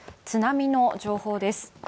津波の情報です。